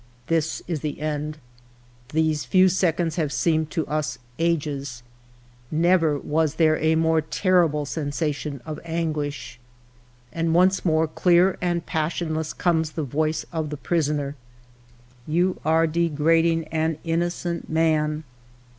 " This is the end. These few seconds have seemed to us ages. Never was there a more terrible sensation of anguish. " And once more, clear and passionless, comes the voice of the prisoner :— ALFRED DREYFUS 69 "' You are degrading an innocent man.'